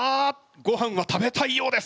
ごはんは食べたいようです。